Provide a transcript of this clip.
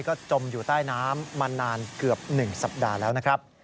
ก็จมอยู่ใต้น้ำมานานเกือบ๑สัปดาห์แล้วนะครับ